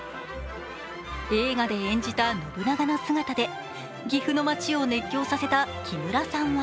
映画で演じた信長の姿で岐阜の町を熱狂させた木村さんは